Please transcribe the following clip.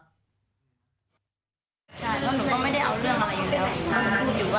ใช่แล้วหนูก็ไม่ได้เอาเรื่องอะไรอยู่แล้ว